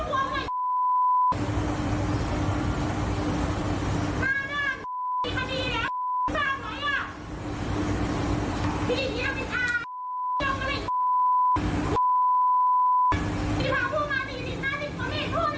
นะครับมีคดีแล้วสร้างวัยไง